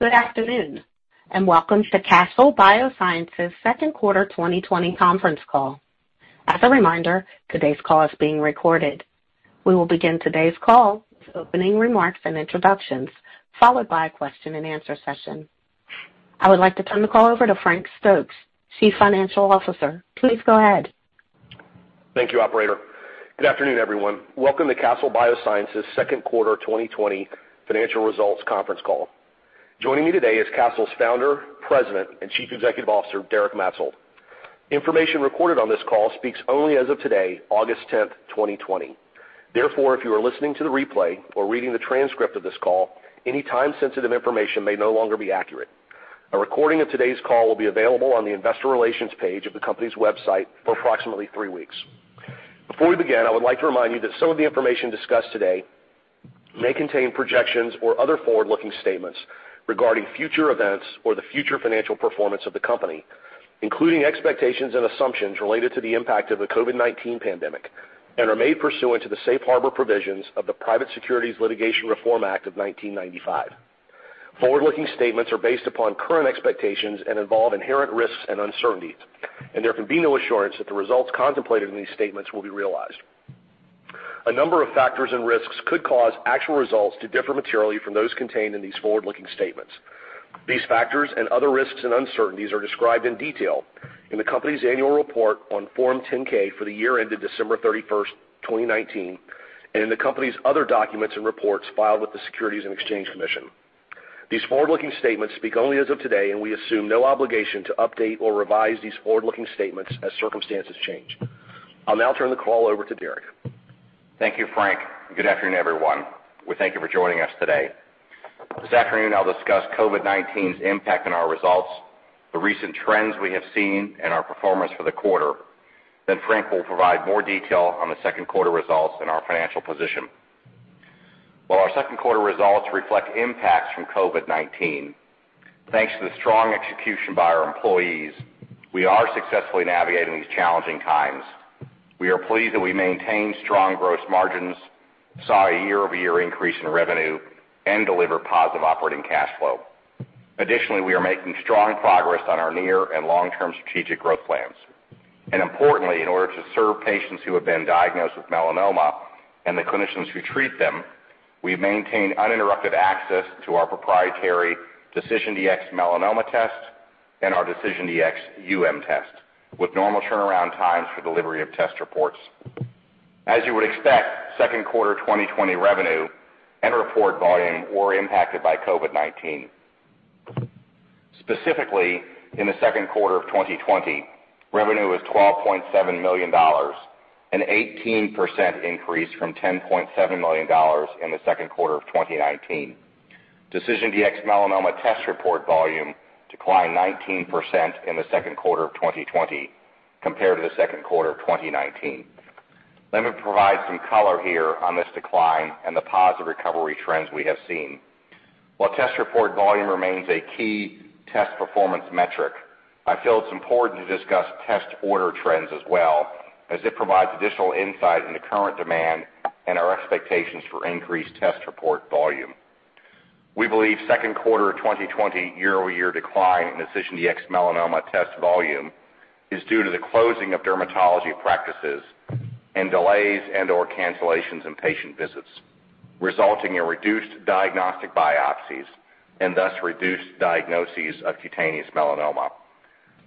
Good afternoon, and welcome to Castle Biosciences' Second Quarter 2020 Conference Call. As a reminder, today's call is being recorded. We will begin today's call with opening remarks and introductions, followed by a question-and-answer session. I would like to turn the call over to Frank Stokes, Chief Financial Officer. Please go ahead. Thank you, Operator. Good afternoon, everyone. Welcome to Castle Biosciences' second quarter 2020 financial results conference call. Joining me today is Castle's Founder, President, and Chief Executive Officer, Derek Maetzold. Information recorded on this call speaks only as of today, August 10th, 2020. Therefore, if you are listening to the replay or reading the transcript of this call, any time-sensitive information may no longer be accurate. A recording of today's call will be available on the investor relations page of the company's website for approximately three weeks. Before we begin, I would like to remind you that some of the information discussed today may contain projections or other forward-looking statements regarding future events or the future financial performance of the company, including expectations and assumptions related to the impact of the COVID-19 pandemic, and are made pursuant to the safe harbor provisions of the Private Securities Litigation Reform Act of 1995. Forward-looking statements are based upon current expectations and involve inherent risks and uncertainties, and there can be no assurance that the results contemplated in these statements will be realized. A number of factors and risks could cause actual results to differ materially from those contained in these forward-looking statements. These factors and other risks and uncertainties are described in detail in the company's annual report on Form 10-K for the year ended December 31, 2019, and in the company's other documents and reports filed with the Securities and Exchange Commission. These forward-looking statements speak only as of today, and we assume no obligation to update or revise these forward-looking statements as circumstances change. I'll now turn the call over to Derek. Thank you, Frank. Good afternoon, everyone. We thank you for joining us today. This afternoon, I'll discuss COVID-19's impact on our results, the recent trends we have seen, and our performance for the quarter. Frank will provide more detail on the second quarter results and our financial position. While our second quarter results reflect impacts from COVID-19, thanks to the strong execution by our employees, we are successfully navigating these challenging times. We are pleased that we maintain strong gross margins, saw a year-over-year increase in revenue, and delivered positive operating cash flow. Additionally, we are making strong progress on our near and long-term strategic growth plans. Importantly, in order to serve patients who have been diagnosed with melanoma and the clinicians who treat them, we maintain uninterrupted access to our proprietary DecisionDx-Melanoma test and our DecisionDx test, with normal turnaround times for delivery of test reports. As you would expect, second quarter 2020 revenue and report volume were impacted by COVID-19. Specifically, in the second quarter of 2020, revenue was $12.7 million, an 18% increase from $10.7 million in the second quarter of 2019. DecisionDx-Melanoma test report volume declined 19% in the second quarter of 2020 compared to the second quarter of 2019. Let me provide some color here on this decline and the positive recovery trends we have seen. While test report volume remains a key test performance metric, I feel it's important to discuss test order trends as well, as it provides additional insight into current demand and our expectations for increased test report volume. We believe second quarter 2020 year-over-year decline in DecisionDx-Melanoma test volume is due to the closing of dermatology practices and delays and/or cancellations in patient visits, resulting in reduced diagnostic biopsies and thus reduced diagnoses of cutaneous melanoma.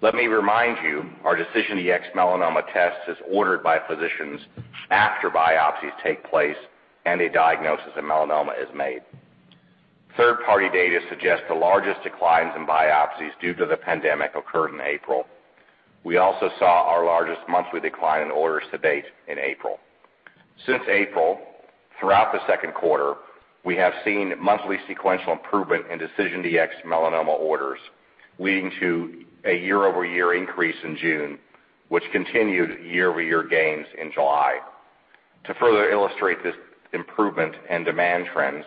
Let me remind you, our DecisionDx-Melanoma test is ordered by physicians after biopsies take place and a diagnosis of melanoma is made. Third-party data suggest the largest declines in biopsies due to the pandemic occurred in April. We also saw our largest monthly decline in orders to date in April. Since April, throughout the second quarter, we have seen monthly sequential improvement in DecisionDx-Melanoma orders, leading to a year-over-year increase in June, which continued year-over-year gains in July. To further illustrate this improvement and demand trends,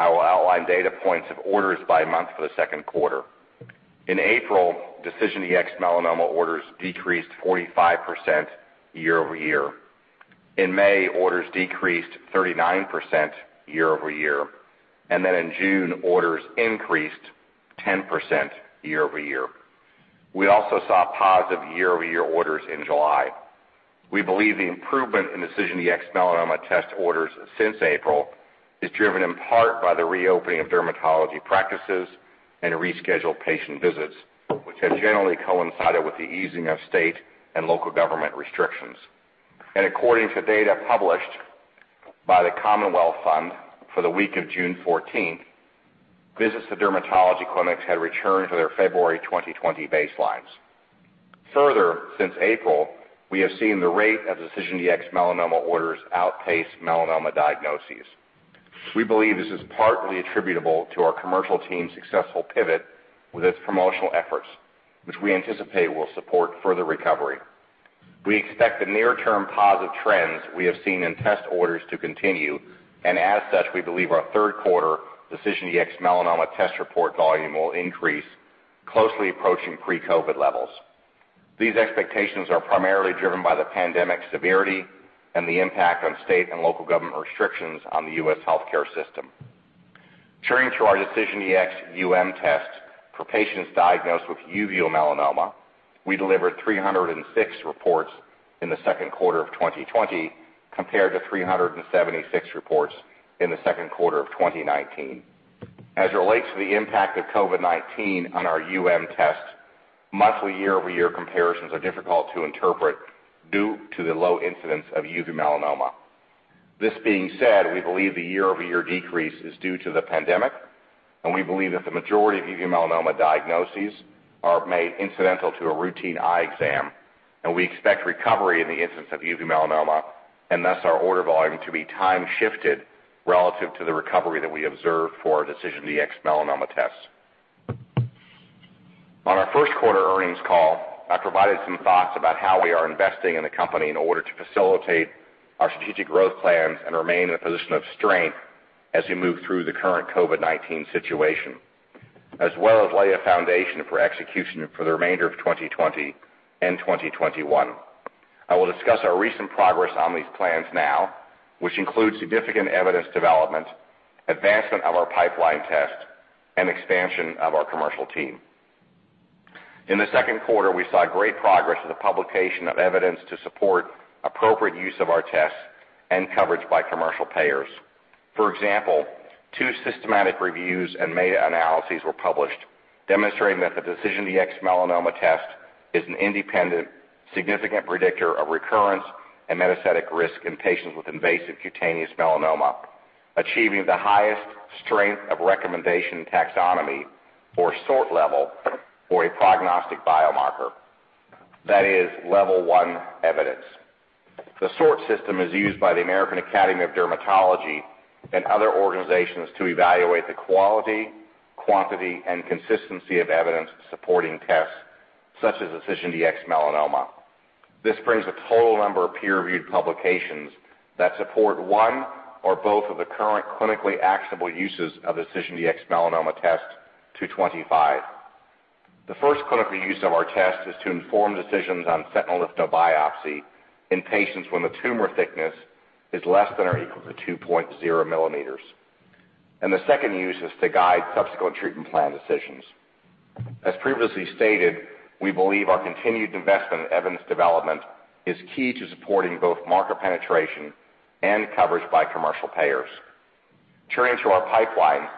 I will outline data points of orders by month for the second quarter. In April, DecisionDx-Melanoma orders decreased 45% year-over-year. In May, orders decreased 39% year-over-year, and then in June, orders increased 10% year-over-year. We also saw positive year-over-year orders in July. We believe the improvement in DecisionDx-Melanoma test orders since April is driven in part by the reopening of dermatology practices and rescheduled patient visits, which have generally coincided with the easing of state and local government restrictions. According to data published by the Commonwealth Fund for the week of June 14th, visits to dermatology clinics had returned to their February 2020 baselines. Further, since April, we have seen the rate of DecisionDx-Melanoma orders outpace melanoma diagnoses. We believe this is partly attributable to our commercial team's successful pivot with its promotional efforts, which we anticipate will support further recovery. We expect the near-term positive trends we have seen in test orders to continue, and as such, we believe our third quarter DecisionDx-Melanoma test report volume will increase, closely approaching pre-COVID levels. These expectations are primarily driven by the pandemic severity and the impact on state and local government restrictions on the U.S. healthcare system. Turning to our DecisionDx-UM test for patients diagnosed with uveal melanoma, we delivered 306 reports in the second quarter of 2020 compared to 376 reports in the second quarter of 2019. As it relates to the impact of COVID-19 on our test, monthly year-over-year comparisons are difficult to interpret due to the low incidence of uveal melanoma. This being said, we believe the year-over-year decrease is due to the pandemic, and we believe that the majority of uveal melanoma diagnoses are made incidental to a routine eye exam, and we expect recovery in the incidence of uveal melanoma and thus our order volume to be time-shifted relative to the recovery that we observed for our DecisionDx-Melanoma test. On our first quarter earnings call, I provided some thoughts about how we are investing in the company in order to facilitate our strategic growth plans and remain in a position of strength as we move through the current COVID-19 situation, as well as lay a foundation for execution for the remainder of 2020 and 2021. I will discuss our recent progress on these plans now, which includes significant evidence development, advancement of our pipeline test, and expansion of our commercial team. In the second quarter, we saw great progress with the publication of evidence to support appropriate use of our tests and coverage by commercial payers. For example, two systematic reviews and meta-analyses were published demonstrating that the DecisionDx-Melanoma test is an independent, significant predictor of recurrence and metastatic risk in patients with invasive cutaneous melanoma, achieving the highest strength of recommendation taxonomy for SORT level for a prognostic biomarker, that is, level one evidence. The SORT system is used by the American Academy of Dermatology and other organizations to evaluate the quality, quantity, and consistency of evidence supporting tests such as DecisionDx-Melanoma. This brings the total number of peer-reviewed publications that support one or both of the current clinically actionable uses of the DecisionDx-Melanoma test to 25. The first clinical use of our test is to inform decisions on sentinel lymph node biopsy in patients when the tumor thickness is less than or equal to 2.0 millimeters. The second use is to guide subsequent treatment plan decisions. As previously stated, we believe our continued investment in evidence development is key to supporting both marker penetration and coverage by commercial payers. Turning to our pipeline,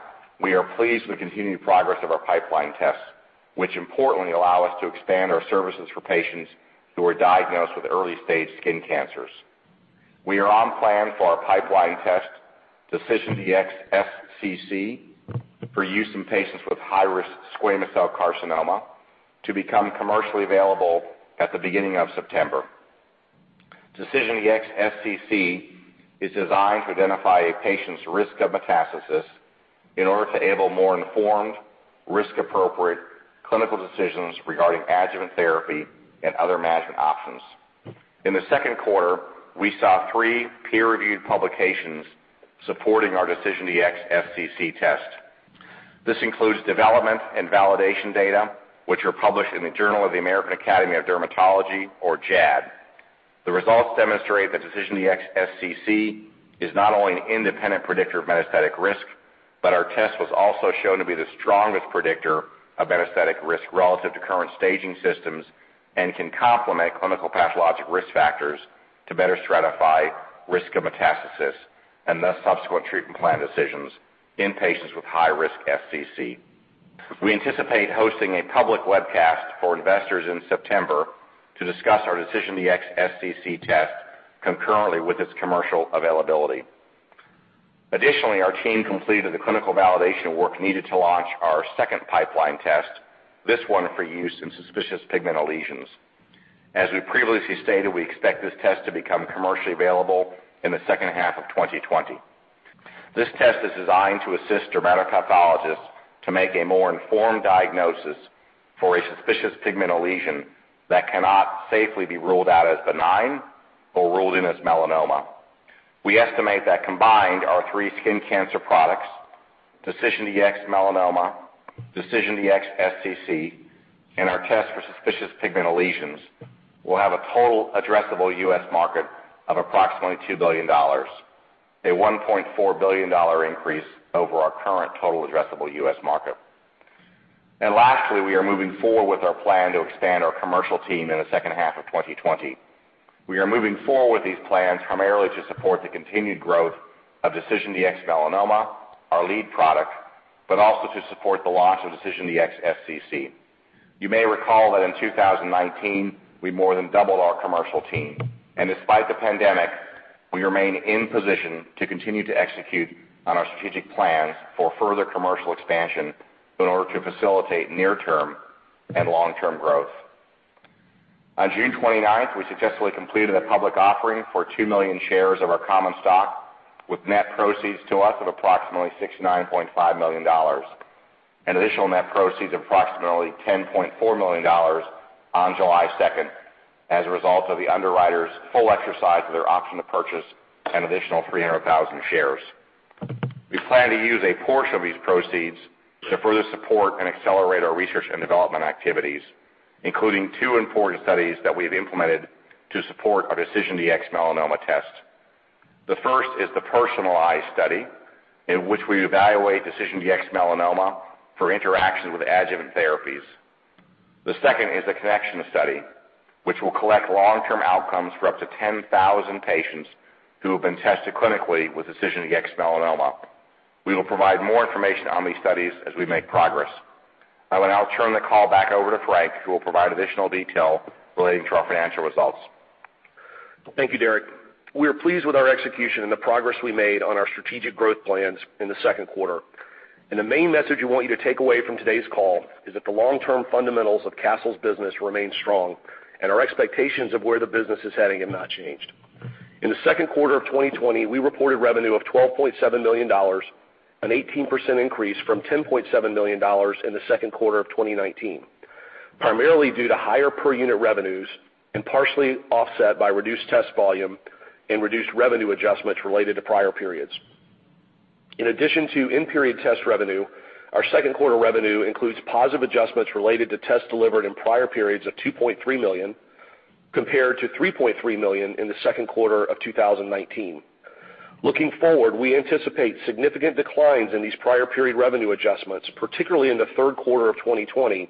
we are pleased with the continued progress of our pipeline tests, which importantly allow us to expand our services for patients who are diagnosed with early-stage skin cancers. We are on plan for our pipeline test, DecisionDx-SCC, for use in patients with high-risk squamous cell carcinoma to become commercially available at the beginning of September. DecisionDx-SCC is designed to identify a patient's risk of metastasis in order to enable more informed, risk-appropriate clinical decisions regarding adjuvant therapy and other management options. In the second quarter, we saw three peer-reviewed publications supporting our DecisionDx-SCC test. This includes development and validation data, which are published in the Journal of the American Academy of Dermatology, or JAAD. The results demonstrate that DecisionDx-SCC is not only an independent predictor of metastatic risk, but our test was also shown to be the strongest predictor of metastatic risk relative to current staging systems and can complement clinical pathologic risk factors to better stratify risk of metastasis and thus subsequent treatment plan decisions in patients with high-risk SCC. We anticipate hosting a public webcast for investors in September to discuss our DecisionDx-SCC test concurrently with its commercial availability. Additionally, our team completed the clinical validation work needed to launch our second pipeline test, this one for use in suspicious pigmented lesions. As we previously stated, we expect this test to become commercially available in the second half of 2020. This test is designed to assist dermatopathologists to make a more informed diagnosis for a suspicious pigmented lesion that cannot safely be ruled out as benign or ruled in as melanoma. We estimate that combined our three skin cancer products, DecisionDx-Melanoma, DecisionDx-SCC, and our test for suspicious pigmented lesions will have a total addressable U.S. market of approximately $2 billion, a $1.4 billion increase over our current total addressable U.S. market. Lastly, we are moving forward with our plan to expand our commercial team in the second half of 2020. We are moving forward with these plans primarily to support the continued growth of DecisionDx-Melanoma, our lead product, but also to support the launch of DecisionDx-SCC. You may recall that in 2019, we more than doubled our commercial team, and despite the pandemic, we remain in position to continue to execute on our strategic plans for further commercial expansion in order to facilitate near-term and long-term growth. On June 29, we successfully completed a public offering for 2 million shares of our common stock with net proceeds to us of approximately $69.5 million and additional net proceeds of approximately $10.4 million on July 2 as a result of the underwriter's full exercise of their option to purchase an additional 300,000 shares. We plan to use a portion of these proceeds to further support and accelerate our research and development activities, including two important studies that we have implemented to support our DecisionDx-Melanoma test. The first is the Personalized study in which we evaluate DecisionDx-Melanoma for interactions with adjuvant therapies. The second is the CONNECTION study, which will collect long-term outcomes for up to 10,000 patients who have been tested clinically with DecisionDx-Melanoma. We will provide more information on these studies as we make progress. I will now turn the call back over to Frank, who will provide additional detail relating to our financial results. Thank you, Derek. We are pleased with our execution and the progress we made on our strategic growth plans in the second quarter. The main message we want you to take away from today's call is that the long-term fundamentals of Castle's business remain strong, and our expectations of where the business is heading have not changed. In the second quarter of 2020, we reported revenue of $12.7 million, an 18% increase from $10.7 million in the second quarter of 2019, primarily due to higher per-unit revenues and partially offset by reduced test volume and reduced revenue adjustments related to prior periods. In addition to in-period test revenue, our second quarter revenue includes positive adjustments related to tests delivered in prior periods of $2.3 million compared to $3.3 million in the second quarter of 2019. Looking forward, we anticipate significant declines in these prior-period revenue adjustments, particularly in the third quarter of 2020,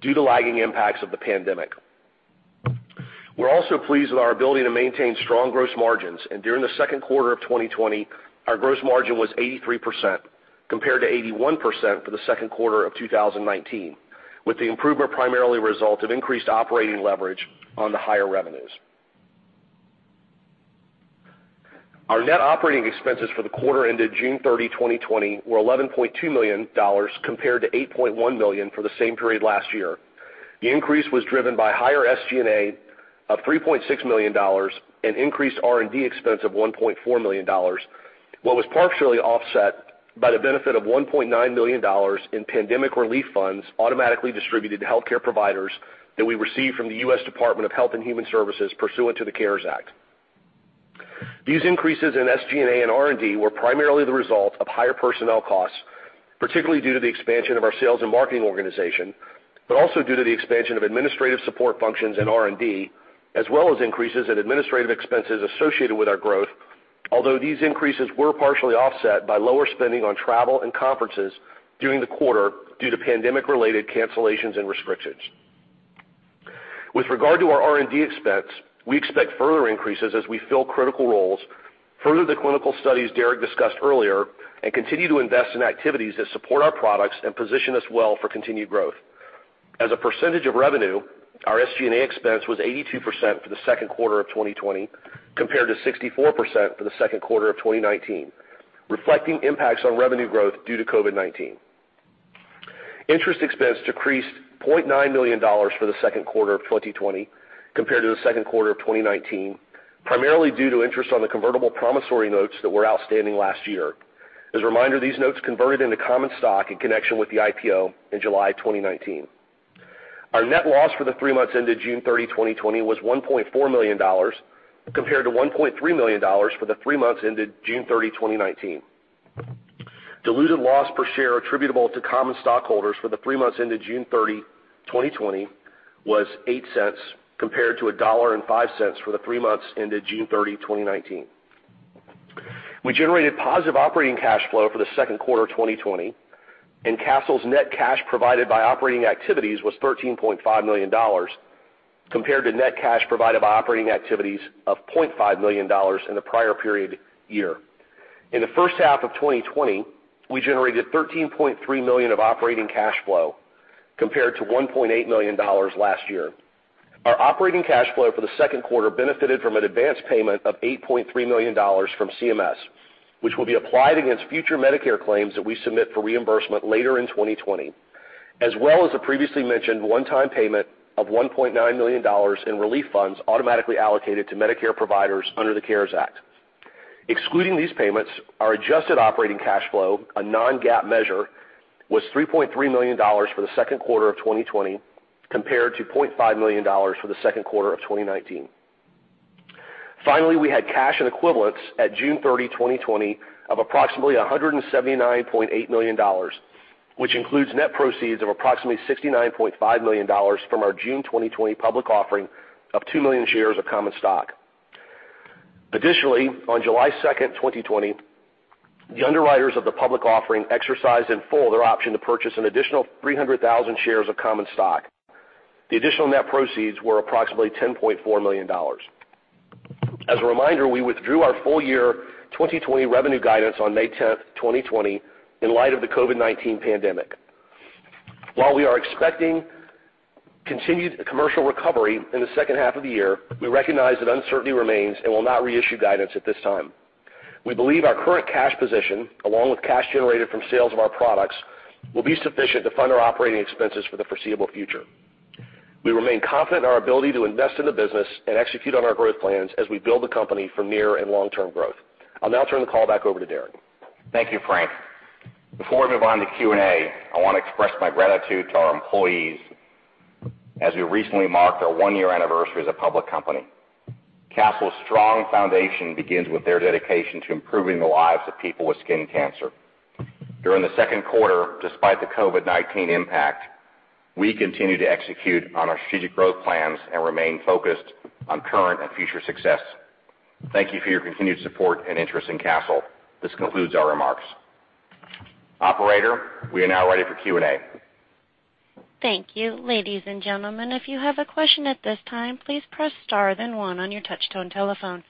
due to lagging impacts of the pandemic. We're also pleased with our ability to maintain strong gross margins, and during the second quarter of 2020, our gross margin was 83% compared to 81% for the second quarter of 2019, with the improvement primarily a result of increased operating leverage on the higher revenues. Our net operating expenses for the quarter ended June 30, 2020, were $11.2 million compared to $8.1 million for the same period last year. The increase was driven by higher SG&A of $3.6 million and increased R&D expense of $1.4 million, what was partially offset by the benefit of $1.9 million in pandemic relief funds automatically distributed to healthcare providers that we received from the U.S. Department of Health and Human Services pursuant to the CARES Act. These increases in SG&A and R&D were primarily the result of higher personnel costs, particularly due to the expansion of our sales and marketing organization, but also due to the expansion of administrative support functions and R&D, as well as increases in administrative expenses associated with our growth, although these increases were partially offset by lower spending on travel and conferences during the quarter due to pandemic-related cancellations and restrictions. With regard to our R&D expense, we expect further increases as we fill critical roles, further the clinical studies Derek discussed earlier, and continue to invest in activities that support our products and position us well for continued growth. As a percentage of revenue, our SG&A expense was 82% for the second quarter of 2020 compared to 64% for the second quarter of 2019, reflecting impacts on revenue growth due to COVID-19. Interest expense decreased $0.9 million for the second quarter of 2020 compared to the second quarter of 2019, primarily due to interest on the convertible promissory notes that were outstanding last year. As a reminder, these notes converted into common stock in connection with the IPO in July 2019. Our net loss for the three months ended June 30, 2020, was $1.4 million compared to $1.3 million for the three months ended June 30, 2019. Diluted loss per share attributable to common stockholders for the three months ended June 30, 2020, was $0.08 compared to $1.05 for the three months ended June 30, 2019. We generated positive operating cash flow for the second quarter of 2020, and Castle's net cash provided by operating activities was $13.5 million compared to net cash provided by operating activities of $0.5 million in the prior period year. In the first half of 2020, we generated $13.3 million of operating cash flow compared to $1.8 million last year. Our operating cash flow for the second quarter benefited from an advance payment of $8.3 million from CMS, which will be applied against future Medicare claims that we submit for reimbursement later in 2020, as well as the previously mentioned one-time payment of $1.9 million in relief funds automatically allocated to Medicare providers under the CARES Act. Excluding these payments, our adjusted operating cash flow, a non-GAAP measure, was $3.3 million for the second quarter of 2020 compared to $0.5 million for the second quarter of 2019. Finally, we had cash and equivalents at June 30, 2020, of approximately $179.8 million, which includes net proceeds of approximately $69.5 million from our June 2020 public offering of 2 million shares of common stock. Additionally, on July 2, 2020, the underwriters of the public offering exercised in full their option to purchase an additional 300,000 shares of common stock. The additional net proceeds were approximately $10.4 million. As a reminder, we withdrew our full-year 2020 revenue guidance on May 10, 2020, in light of the COVID-19 pandemic. While we are expecting continued commercial recovery in the second half of the year, we recognize that uncertainty remains and will not reissue guidance at this time. We believe our current cash position, along with cash generated from sales of our products, will be sufficient to fund our operating expenses for the foreseeable future. We remain confident in our ability to invest in the business and execute on our growth plans as we build the company for near and long-term growth. I'll now turn the call back over to Derek. Thank you, Frank. Before we move on to Q&A, I want to express my gratitude to our employees as we recently marked our one-year anniversary as a public company. Castle's strong foundation begins with their dedication to improving the lives of people with skin cancer. During the second quarter, despite the COVID-19 impact, we continue to execute on our strategic growth plans and remain focused on current and future success. Thank you for your continued support and interest in Castle. This concludes our remarks. Operator, we are now ready for Q&A. Thank you. Ladies and gentlemen, if you have a question at this time, please press star then one on your touch-tone telephone.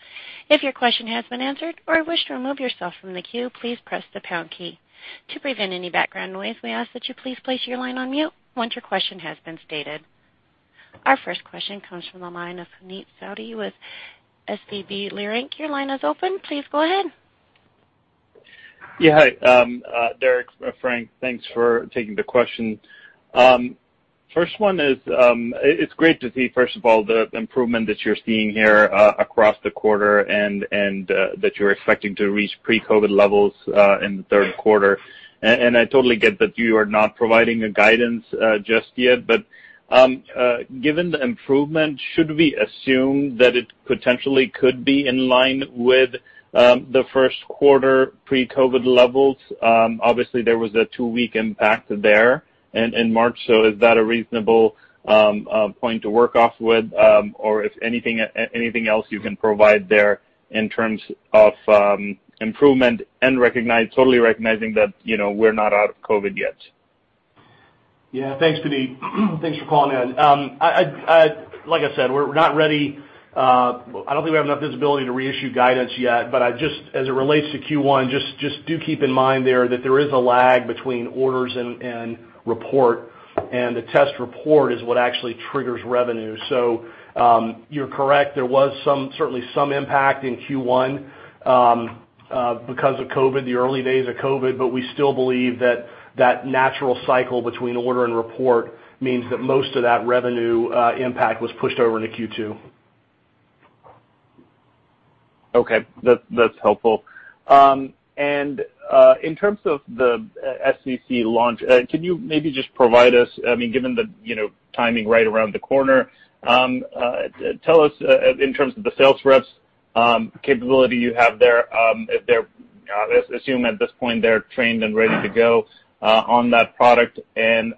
If your question has been answered or you wish to remove yourself from the queue, please press the pound key. To prevent any background noise, we ask that you please place your line on mute once your question has been stated. Our first question comes from the line of Vineet Khurma with SVB Leerink. Your line is open. Please go ahead. Yeah. Hi, Derek or Frank. Thanks for taking the question. First one is it's great to see, first of all, the improvement that you're seeing here across the quarter and that you're expecting to reach pre-COVID levels in the third quarter. I totally get that you are not providing a guidance just yet, but given the improvement, should we assume that it potentially could be in line with the first quarter pre-COVID levels? Obviously, there was a two-week impact there in March, so is that a reasonable point to work off with? Or if anything else you can provide there in terms of improvement and totally recognizing that we're not out of COVID yet? Yeah. Thanks, Vineet. Thanks for calling in. Like I said, we're not ready. I don't think we have enough visibility to reissue guidance yet, but as it relates to Q1, just do keep in mind there that there is a lag between orders and report, and the test report is what actually triggers revenue. You're correct. There was certainly some impact in Q1 because of COVID, the early days of COVID, but we still believe that that natural cycle between order and report means that most of that revenue impact was pushed over into Q2. Okay. That's helpful. In terms of the SVC launch, can you maybe just provide us, I mean, given the timing right around the corner, tell us in terms of the sales reps capability you have there, assume at this point they're trained and ready to go on that product.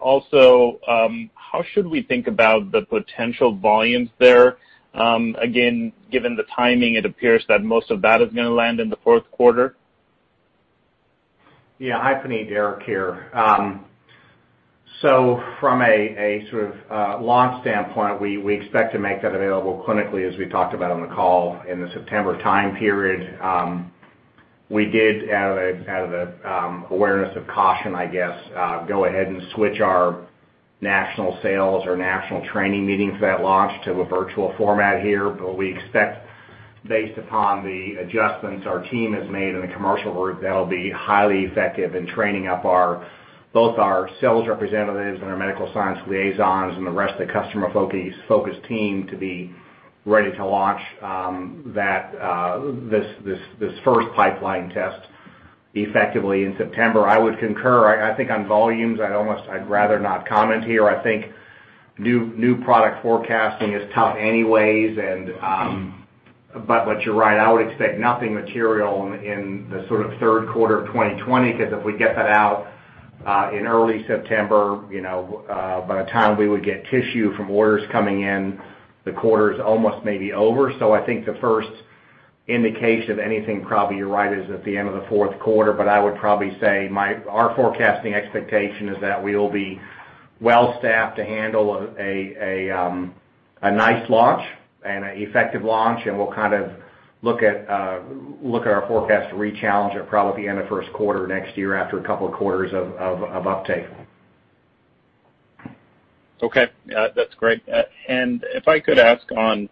Also, how should we think about the potential volumes there? Again, given the timing, it appears that most of that is going to land in the fourth quarter. Yeah. Hi, Puneet, Derek here. From a sort of launch standpoint, we expect to make that available clinically, as we talked about on the call in the September time period. We did, out of the awareness of caution, I guess, go ahead and switch our national sales or national training meeting for that launch to a virtual format here, but we expect, based upon the adjustments our team has made in the commercial group, that'll be highly effective in training up both our sales representatives and our medical science liaisons and the rest of the customer-focused team to be ready to launch this first pipeline test effectively in September. I would concur. I think on volumes, I'd rather not comment here. I think new product forecasting is tough anyways, but you're right. I would expect nothing material in the sort of third quarter of 2020 because if we get that out in early September, by the time we would get tissue from orders coming in, the quarter is almost maybe over. I think the first indication of anything, probably you're right, is at the end of the fourth quarter, but I would probably say our forecasting expectation is that we will be well-staffed to handle a nice launch and an effective launch, and we'll kind of look at our forecast to re-challenge it probably at the end of first quarter next year after a couple of quarters of uptake. Okay. That's great. If I could ask on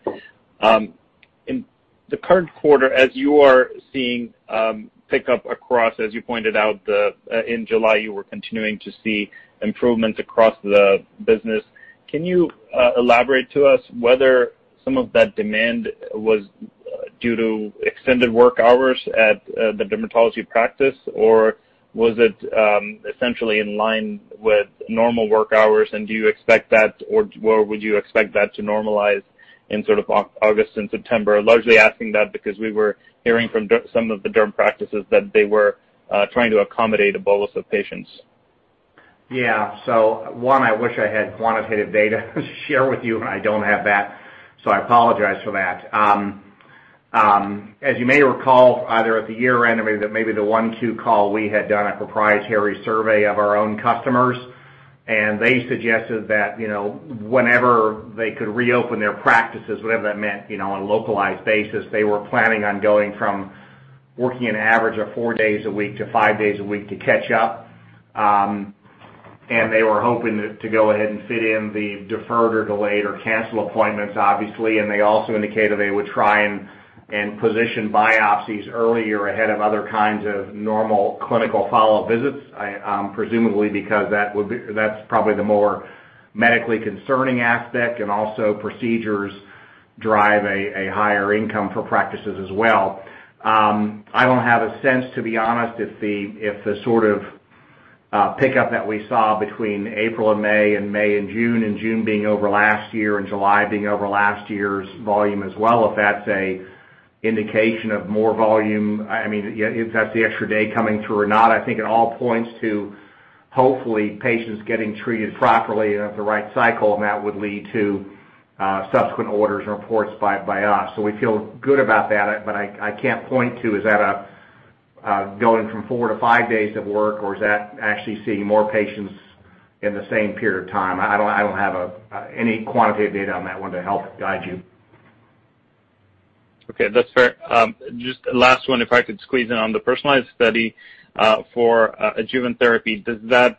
the current quarter, as you are seeing pickup across, as you pointed out, in July, you were continuing to see improvements across the business. Can you elaborate to us whether some of that demand was due to extended work hours at the dermatology practice, or was it essentially in line with normal work hours? Do you expect that, or would you expect that to normalize in sort of August and September? Largely asking that because we were hearing from some of the derm practices that they were trying to accommodate a bolus of patients. Yeah. One, I wish I had quantitative data to share with you, and I don't have that, so I apologize for that. As you may recall, either at the year-end or maybe the one Q call, we had done a proprietary survey of our own customers, and they suggested that whenever they could reopen their practices, whatever that meant on a localized basis, they were planning on going from working an average of four days a week to five days a week to catch up. They were hoping to go ahead and fit in the deferred or delayed or canceled appointments, obviously, and they also indicated they would try and position biopsies earlier ahead of other kinds of normal clinical follow-up visits, presumably because that's probably the more medically concerning aspect, and also procedures drive a higher income for practices as well. I don't have a sense, to be honest, if the sort of pickup that we saw between April and May and May and June and June being over last year and July being over last year's volume as well, if that's an indication of more volume, I mean, if that's the extra day coming through or not. I think it all points to, hopefully, patients getting treated properly and at the right cycle, and that would lead to subsequent orders and reports by us. We feel good about that, but I can't point to, is that going from four to five days of work, or is that actually seeing more patients in the same period of time? I don't have any quantitative data on that one to help guide you. Okay. That's fair. Just last one, if I could squeeze in on the personalized study for adjuvant therapy. Does that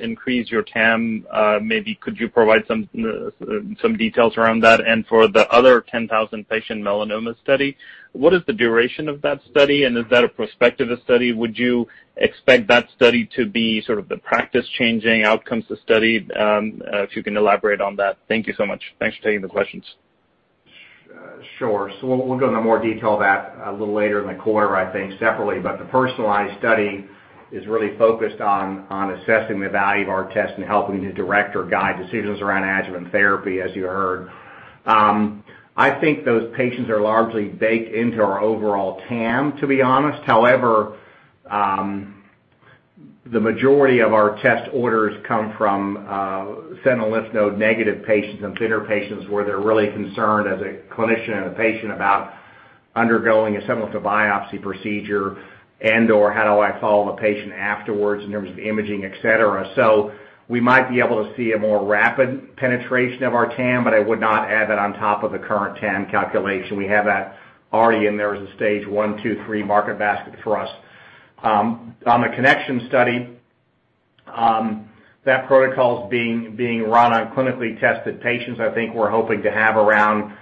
increase your TAM? Maybe could you provide some details around that? And for the other 10,000-patient melanoma study, what is the duration of that study, and is that a prospective study? Would you expect that study to be sort of the practice-changing outcomes of study? If you can elaborate on that. Thank you so much. Thanks for taking the questions. Sure. We'll go into more detail of that a little later in the quarter, I think, separately, but the personalized study is really focused on assessing the value of our test and helping to direct or guide decisions around adjuvant therapy, as you heard. I think those patients are largely baked into our overall TAM, to be honest. However, the majority of our test orders come from sentinel lymph node negative patients and thinner patients where they're really concerned, as a clinician and a patient, about undergoing a sentinel lymph node biopsy procedure and/or how do I follow the patient afterwards in terms of imaging, etc. We might be able to see a more rapid penetration of our TAM, but I would not add that on top of the current TAM calculation. We have that already in there as a stage one, two, three market basket for us. On the connection study, that protocol is being run on clinically tested patients. I think we're hoping to have around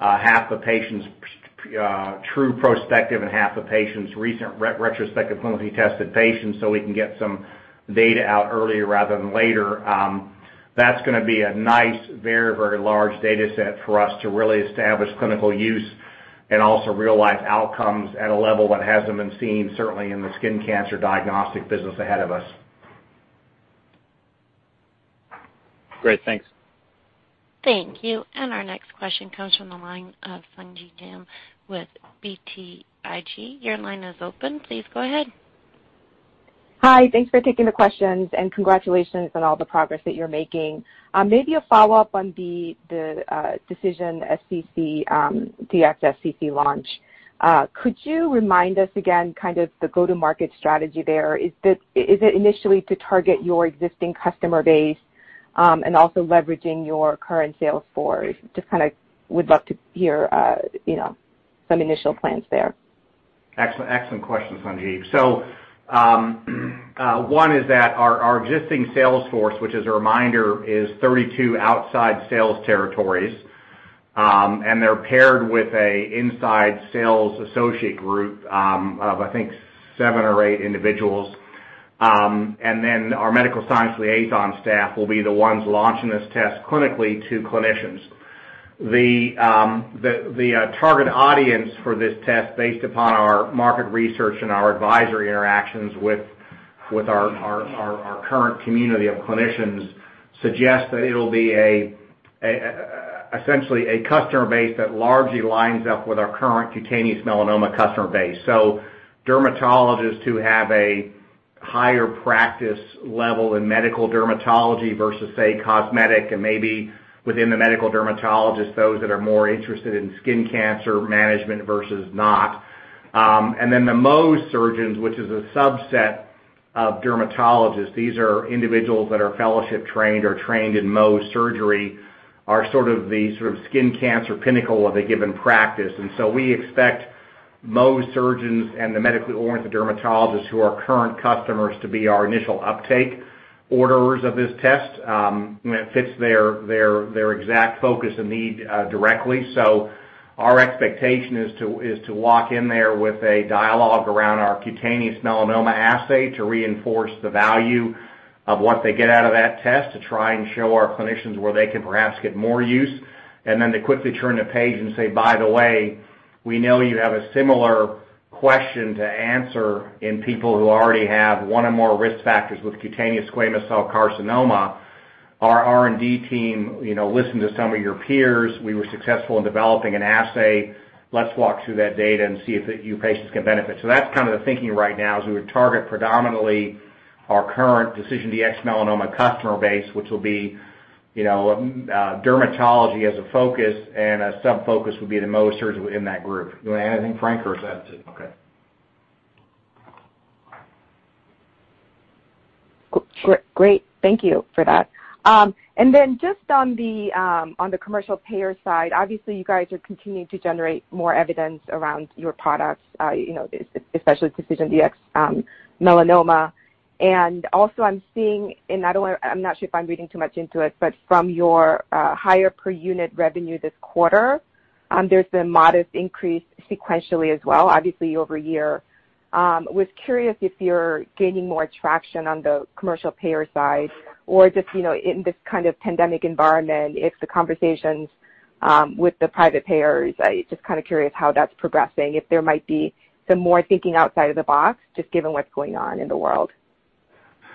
half the patients true prospective and half the patients recent retrospective clinically tested patients so we can get some data out earlier rather than later. That's going to be a nice, very, very large data set for us to really establish clinical use and also real-life outcomes at a level that hasn't been seen, certainly, in the skin cancer diagnostic business ahead of us. Great. Thanks. Thank you. Our next question comes from the line of Sung Ji Nam with BTIG. Your line is open. Please go ahead. Hi. Thanks for taking the questions, and congratulations on all the progress that you're making. Maybe a follow-up on the DecisionDx-SCC launch. Could you remind us again kind of the go-to-market strategy there? Is it initially to target your existing customer base and also leveraging your current sales force? Just kind of would love to hear some initial plans there. Excellent question, Sung Ji. One is that our existing sales force, which is a reminder, is 32 outside sales territories, and they're paired with an inside sales associate group of, I think, seven or eight individuals. Our medical science liaison staff will be the ones launching this test clinically to clinicians. The target audience for this test, based upon our market research and our advisory interactions with our current community of clinicians, suggests that it'll be essentially a customer base that largely lines up with our current cutaneous melanoma customer base. Dermatologists who have a higher practice level in medical dermatology versus, say, cosmetic, and maybe within the medical dermatologists, those that are more interested in skin cancer management versus not. The Mohs surgeons, which is a subset of dermatologists—these are individuals that are fellowship trained or trained in Mohs surgery—are sort of the sort of skin cancer pinnacle of a given practice. We expect Mohs surgeons and the medically oriented dermatologists who are current customers to be our initial uptake orders of this test when it fits their exact focus and need directly. Our expectation is to walk in there with a dialogue around our cutaneous melanoma assay to reinforce the value of what they get out of that test, to try and show our clinicians where they can perhaps get more use, and then to quickly turn the page and say, "By the way, we know you have a similar question to answer in people who already have one or more risk factors with cutaneous squamous cell carcinoma. Our R&D team listened to some of your peers. We were successful in developing an assay. Let's walk through that data and see if your patients can benefit." That is kind of the thinking right now, we would target predominantly our current DecisionDx-Melanoma customer base, which will be dermatology as a focus, and a sub-focus would be the Mohs surgeons within that group. You want to add anything, Frank, or is that okay? Great. Thank you for that. Then just on the commercial payer side, obviously, you guys are continuing to generate more evidence around your products, especially DecisionDx-Melanoma. Also, I'm seeing—and I'm not sure if I'm reading too much into it—but from your higher per unit revenue this quarter, there's been a modest increase sequentially as well, obviously, over a year. I was curious if you're gaining more traction on the commercial payer side or just in this kind of pandemic environment, if the conversations with the private payers—I'm just kind of curious how that's progressing—if there might be some more thinking outside of the box, just given what's going on in the world. Yeah.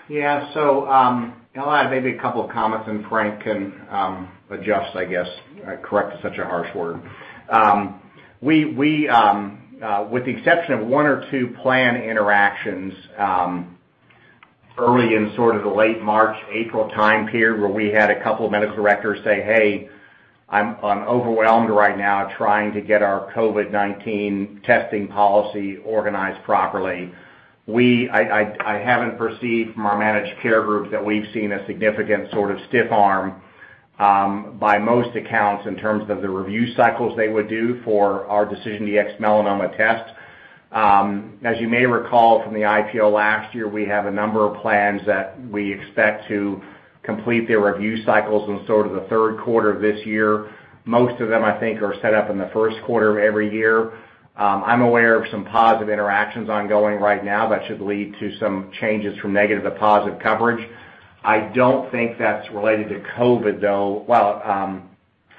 I'll add maybe a couple of comments, and Frank can adjust, I guess. Correct is such a harsh word. With the exception of one or two planned interactions early in sort of the late March, April time period, where we had a couple of medical directors say, "Hey, I'm overwhelmed right now trying to get our COVID-19 testing policy organized properly." I haven't perceived from our managed care group that we've seen a significant sort of stiff arm by most accounts in terms of the review cycles they would do for our DecisionDx-Melanoma test. As you may recall from the IPO last year, we have a number of plans that we expect to complete their review cycles in sort of the third quarter of this year. Most of them, I think, are set up in the first quarter of every year. I'm aware of some positive interactions ongoing right now that should lead to some changes from negative to positive coverage. I don't think that's related to COVID, though.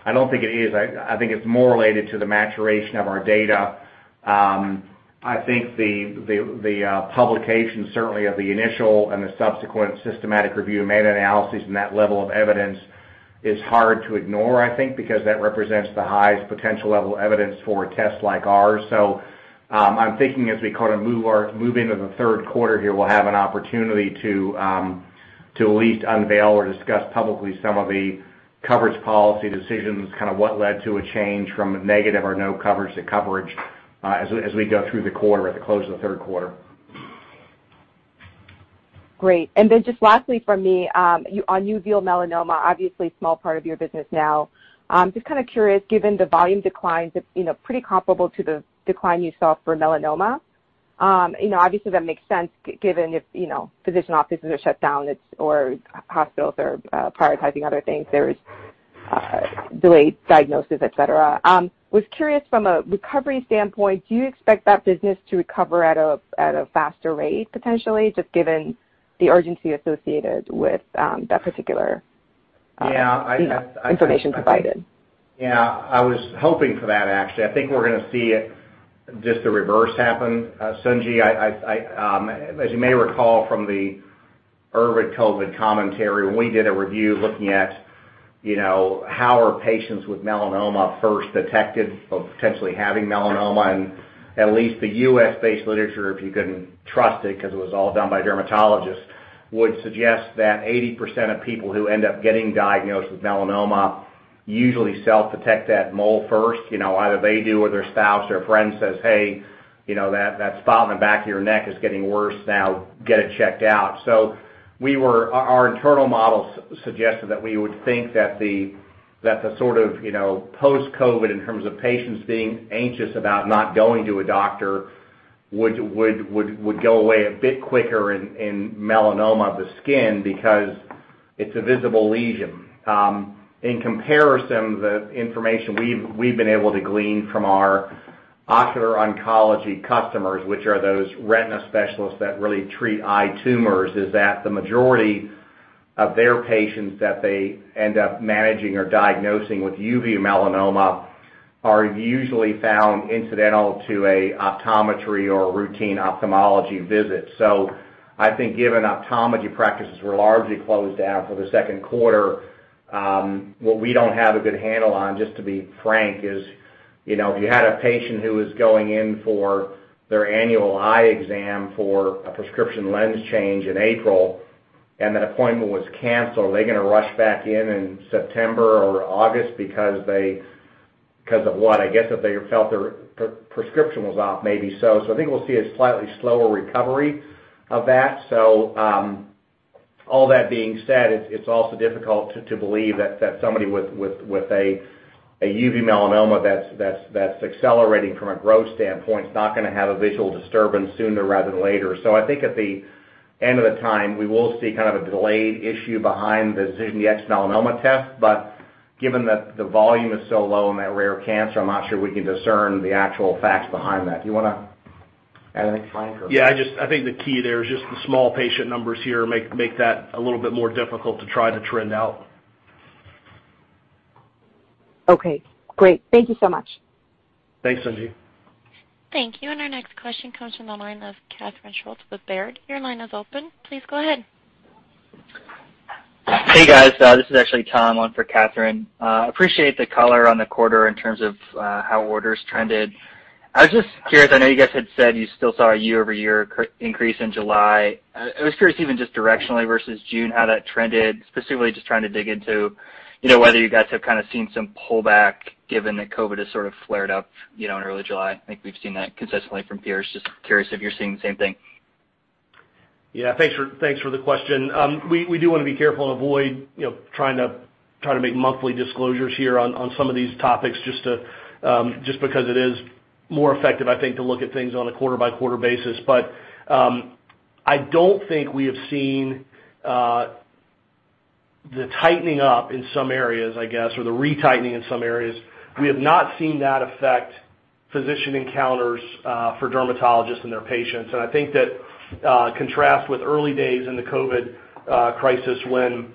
I don't think it is. I think it's more related to the maturation of our data. I think the publication, certainly, of the initial and the subsequent systematic review and meta-analyses and that level of evidence is hard to ignore, I think, because that represents the highest potential level of evidence for a test like ours. I'm thinking as we kind of move into the third quarter here, we'll have an opportunity to at least unveil or discuss publicly some of the coverage policy decisions, kind of what led to a change from negative or no coverage to coverage as we go through the quarter at the close of the third quarter. Great. Lastly from me, on uveal melanoma, obviously a small part of your business now, just kind of curious, given the volume declines, it's pretty comparable to the decline you saw for melanoma. Obviously, that makes sense given if physician offices are shut down or hospitals are prioritizing other things, there's delayed diagnosis, etc. I was curious from a recovery standpoint, do you expect that business to recover at a faster rate, potentially, just given the urgency associated with that particular. Yeah. I think. Information provided? Yeah. I was hoping for that, actually. I think we're going to see just the reverse happen. Sung Ji, as you may recall from the urban COVID commentary, we did a review looking at how are patients with melanoma first detected or potentially having melanoma. At least the U.S.-based literature, if you can trust it because it was all done by dermatologists, would suggest that 80% of people who end up getting diagnosed with melanoma usually self-detect that mole first. Either they do or their spouse or a friend says, "Hey, that spot in the back of your neck is getting worse now. Get it checked out." Our internal model suggested that we would think that the sort of post-COVID, in terms of patients being anxious about not going to a doctor, would go away a bit quicker in melanoma of the skin because it's a visible lesion. In comparison, the information we've been able to glean from our ocular oncology customers, which are those retina specialists that really treat eye tumors, is that the majority of their patients that they end up managing or diagnosing with uveal melanoma are usually found incidental to an optometry or routine ophthalmology visit. I think given optometry practices were largely closed down for the second quarter, what we don't have a good handle on, just to be frank, is if you had a patient who was going in for their annual eye exam for a prescription lens change in April and that appointment was canceled, are they going to rush back in in September or August because of what? I guess that they felt their prescription was off, maybe so. I think we'll see a slightly slower recovery of that. All that being said, it's also difficult to believe that somebody with a uveal melanoma that's accelerating from a growth standpoint is not going to have a visual disturbance sooner rather than later. I think at the end of the time, we will see kind of a delayed issue behind the DecisionDx-Melanoma test. Given that the volume is so low in that rare cancer, I'm not sure we can discern the actual facts behind that. Do you want to add anything, Frank, or? Yeah. I think the key there is just the small patient numbers here make that a little bit more difficult to try to trend out. Okay. Great. Thank you so much. Thanks, Sung Ji. Thank you. Our next question comes from the line of Catherine Schulte with Baird. Your line is open. Please go ahead. Hey, guys. This is actually Tom, one for Catherine. Appreciate the color on the quarter in terms of how orders trended. I was just curious. I know you guys had said you still saw a year-over-year increase in July. I was curious even just directionally versus June, how that trended, specifically just trying to dig into whether you guys have kind of seen some pullback given that COVID has sort of flared up in early July. I think we've seen that consistently from peers. Just curious if you're seeing the same thing. Yeah. Thanks for the question. We do want to be careful and avoid trying to make monthly disclosures here on some of these topics just because it is more effective, I think, to look at things on a quarter-by-quarter basis. I don't think we have seen the tightening up in some areas, I guess, or the retightening in some areas. We have not seen that affect physician encounters for dermatologists and their patients. I think that contrasts with early days in the COVID crisis when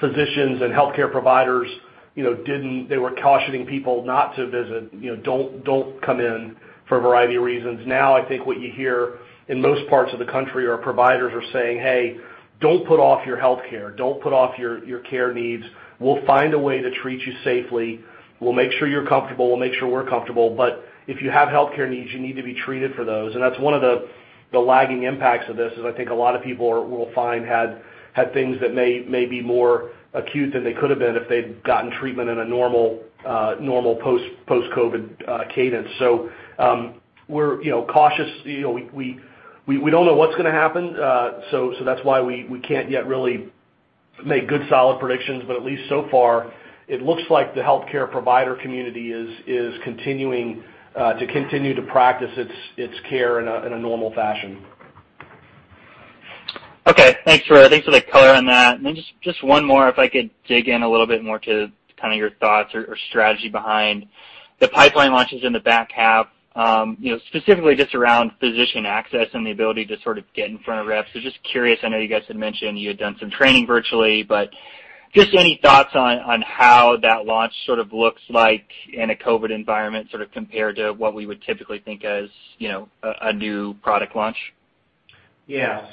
physicians and healthcare providers didn't—they were cautioning people not to visit, "Don't come in for a variety of reasons." Now, I think what you hear in most parts of the country are providers saying, "Hey, don't put off your healthcare. Don't put off your care needs. We'll find a way to treat you safely. We'll make sure you're comfortable. We'll make sure we're comfortable. If you have healthcare needs, you need to be treated for those. That's one of the lagging impacts of this. I think a lot of people will find they had things that may be more acute than they could have been if they'd gotten treatment in a normal post-COVID cadence. We are cautious. We don't know what's going to happen. That's why we can't yet really make good solid predictions. At least so far, it looks like the healthcare provider community is continuing to practice its care in a normal fashion. Okay. Thanks for the color on that. Just one more, if I could dig in a little bit more to your thoughts or strategy behind the pipeline launches in the back half, specifically just around physician access and the ability to sort of get in front of reps. Just curious. I know you guys had mentioned you had done some training virtually, but just any thoughts on how that launch sort of looks like in a COVID environment sort of compared to what we would typically think as a new product launch? Yeah.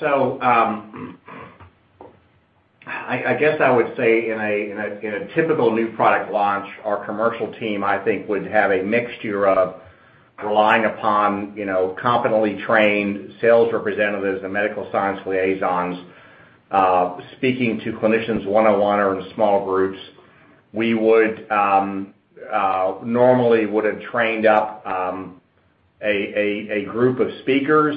I guess I would say in a typical new product launch, our commercial team, I think, would have a mixture of relying upon competently trained sales representatives and medical science liaisons speaking to clinicians one-on-one or in small groups. We normally would have trained up a group of speakers,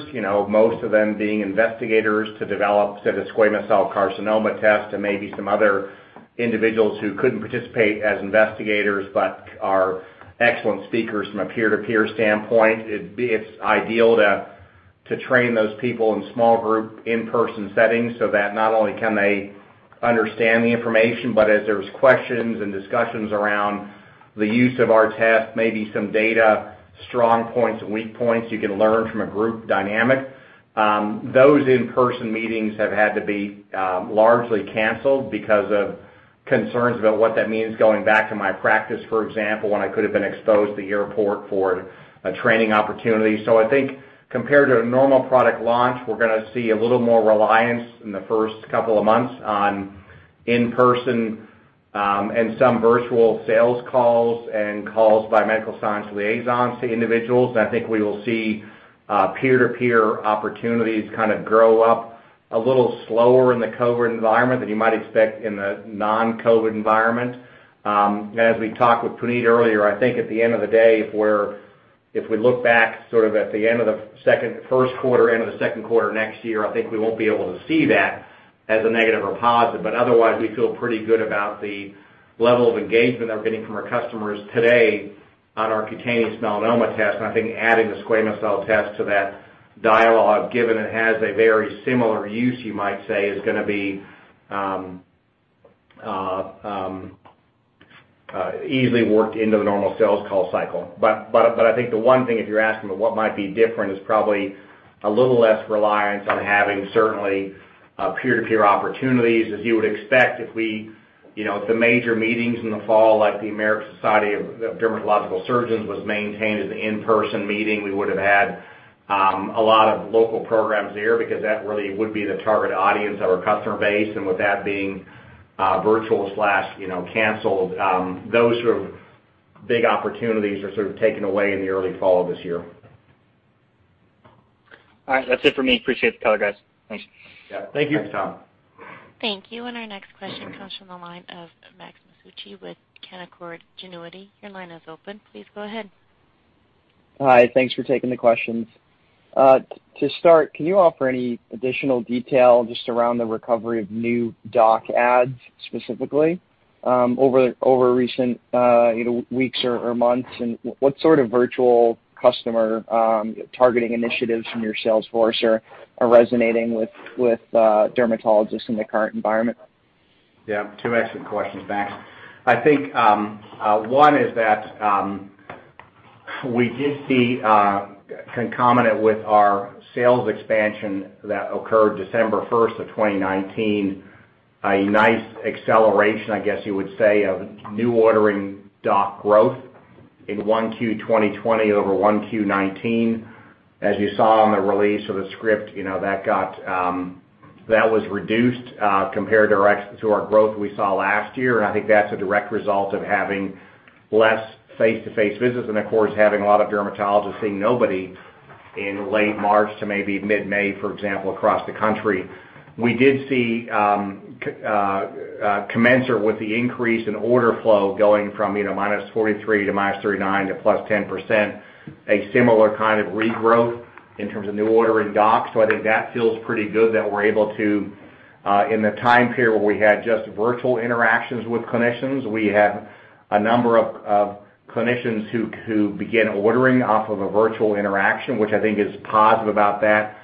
most of them being investigators, to develop, say, the squamous cell carcinoma test and maybe some other individuals who could not participate as investigators but are excellent speakers from a peer-to-peer standpoint. It's ideal to train those people in small group, in-person settings so that not only can they understand the information, but as there's questions and discussions around the use of our test, maybe some data, strong points and weak points you can learn from a group dynamic. Those in-person meetings have had to be largely canceled because of concerns about what that means going back to my practice, for example, when I could have been exposed to the airport for a training opportunity. I think compared to a normal product launch, we're going to see a little more reliance in the first couple of months on in-person and some virtual sales calls and calls by medical science liaisons to individuals. I think we will see peer-to-peer opportunities kind of grow up a little slower in the COVID environment than you might expect in the non-COVID environment. As we talked with Puneet earlier, I think at the end of the day, if we look back sort of at the end of the first quarter, end of the second quarter next year, I think we won't be able to see that as a negative or positive. Otherwise, we feel pretty good about the level of engagement that we're getting from our customers today on our cutaneous melanoma test. I think adding the squamous cell test to that dialogue, given it has a very similar use, you might say, is going to be easily worked into the normal sales call cycle. I think the one thing, if you're asking me what might be different, is probably a little less reliance on having certainly peer-to-peer opportunities, as you would expect if we—if the major meetings in the fall, like the American Society of Dermatological Surgeons, was maintained as an in-person meeting, we would have had a lot of local programs there because that really would be the target audience of our customer base. With that being virtual/canceled, those sort of big opportunities are sort of taken away in the early fall of this year. All right. That's it for me. Appreciate the call, guys. Thanks. Yeah. Thank you. Thanks, Tom. Thank you. Our next question comes from the line of Max Masucci with Canaccord Genuity. Your line is open. Please go ahead. Hi. Thanks for taking the questions. To start, can you offer any additional detail just around the recovery of new doc ads specifically over recent weeks or months? What sort of virtual customer targeting initiatives from your sales force are resonating with dermatologists in the current environment? Yeah. Two excellent questions, Max. I think one is that we did see concomitant with our sales expansion that occurred December 1, 2019, a nice acceleration, I guess you would say, of new ordering doc growth in 1Q 2020 over 1Q 2019. As you saw on the release of the script, that was reduced compared to our growth we saw last year. I think that's a direct result of having less face-to-face visits. Of course, having a lot of dermatologists seeing nobody in late March to maybe mid-May, for example, across the country. We did see, commensurate with the increase in order flow going from minus 43% to minus 39% to plus 10%, a similar kind of regrowth in terms of new ordering docs. I think that feels pretty good that we're able to, in the time period where we had just virtual interactions with clinicians, we have a number of clinicians who began ordering off of a virtual interaction, which I think is positive about that.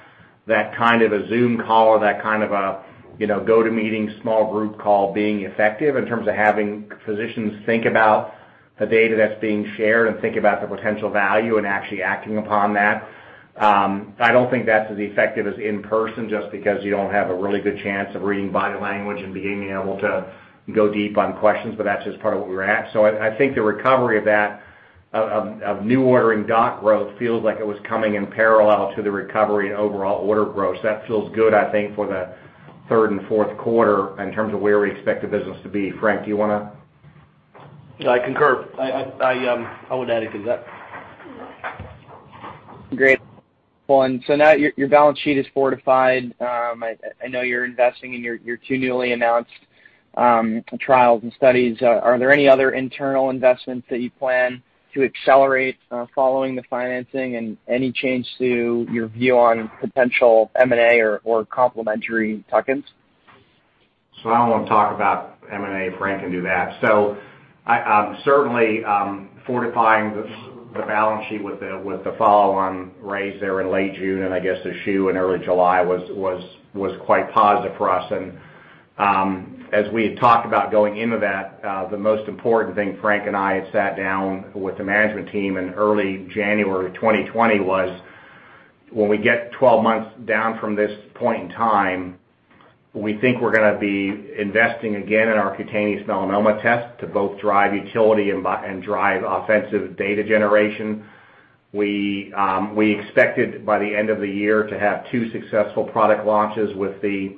That kind of a Zoom call or that kind of a GoToMeeting small group call being effective in terms of having physicians think about the data that's being shared and think about the potential value and actually acting upon that. I don't think that's as effective as in-person just because you don't have a really good chance of reading body language and being able to go deep on questions, but that's just part of what we're at. I think the recovery of that of new ordering doc growth feels like it was coming in parallel to the recovery in overall order growth. That feels good, I think, for the third and fourth quarter in terms of where we expect the business to be. Frank, do you want to? I concur. I would add it to that. Great. Now your balance sheet is fortified. I know you're investing in your two newly announced trials and studies. Are there any other internal investments that you plan to accelerate following the financing and any change to your view on potential M&A or complimentary tuck-ins? I don't want to talk about M&A. Frank can do that. Certainly fortifying the balance sheet with the follow-on raise there in late June and, I guess, the shoe in early July was quite positive for us. As we had talked about going into that, the most important thing Frank and I had sat down with the management team in early January 2020 was, "When we get 12 months down from this point in time, we think we're going to be investing again in our cutaneous melanoma test to both drive utility and drive offensive data generation." We expected by the end of the year to have two successful product launches with the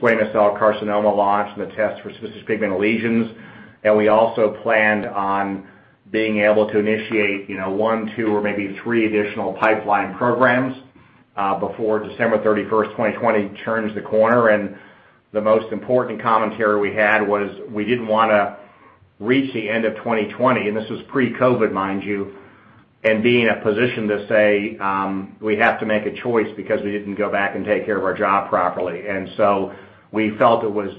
squamous cell carcinoma launch and the test for suspicious pigmented lesions. We also planned on being able to initiate one, two, or maybe three additional pipeline programs before December 31, 2020, turns the corner. The most important commentary we had was, "We didn't want to reach the end of 2020." This was pre-COVID, mind you, and being in a position to say, "We have to make a choice because we didn't go back and take care of our job properly." We felt it was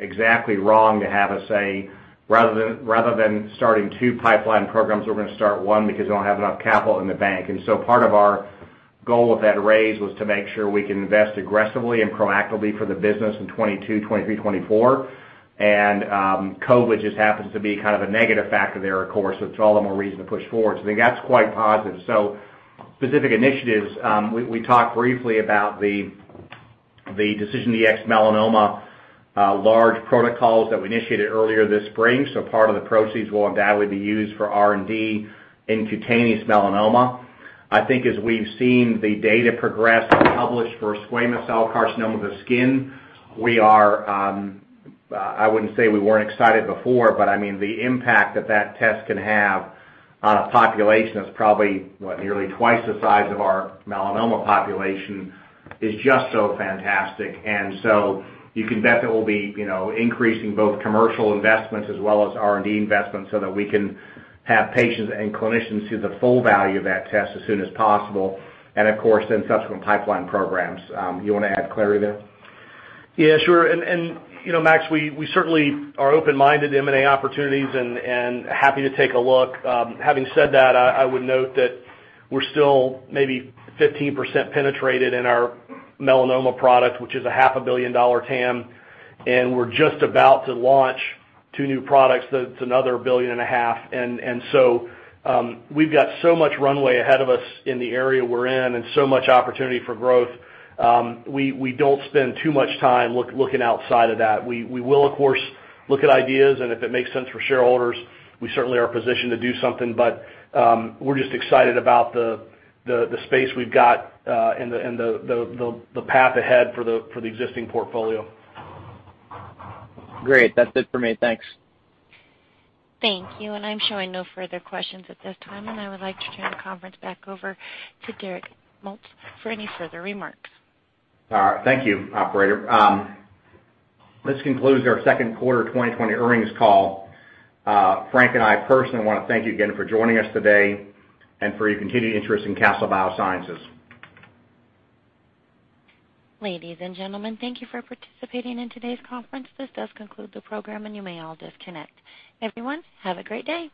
exactly wrong to have us say, "Rather than starting two pipeline programs, we're going to start one because we don't have enough capital in the bank." Part of our goal with that raise was to make sure we can invest aggressively and proactively for the business in 2022, 2023, 2024. COVID just happens to be kind of a negative factor there, of course, so it's all the more reason to push forward. I think that's quite positive. Specific initiatives, we talked briefly about the DecisionDx-Melanoma large protocols that we initiated earlier this spring. Part of the proceeds will undoubtedly be used for R&D in cutaneous melanoma. I think as we've seen the data progress published for squamous cell carcinoma of the skin, we are—I wouldn't say we weren't excited before, but I mean, the impact that that test can have on a population that's probably, what, nearly twice the size of our melanoma population is just so fantastic. You can bet that we'll be increasing both commercial investments as well as R&D investments so that we can have patients and clinicians see the full value of that test as soon as possible. Of course, then subsequent pipeline programs. You want to add clarity there? Yeah, sure. Max, we certainly are open-minded to M&A opportunities and happy to take a look. Having said that, I would note that we're still maybe 15% penetrated in our melanoma product, which is a $500 million TAM. We're just about to launch two new products. That's another $1.5 billion. We have so much runway ahead of us in the area we're in and so much opportunity for growth. We do not spend too much time looking outside of that. We will, of course, look at ideas. If it makes sense for shareholders, we certainly are positioned to do something. We are just excited about the space we have and the path ahead for the existing portfolio. Great. That's it for me. Thanks. Thank you. I am showing no further questions at this time. I would like to turn the conference back over to Derek Maetzold for any further remarks. All right. Thank you, operator. Let's conclude our second quarter 2020 earnings call. Frank and I personally want to thank you again for joining us today and for your continued interest in Castle Biosciences. Ladies and gentlemen, thank you for participating in today's conference. This does conclude the program, and you may all disconnect. Everyone, have a great day.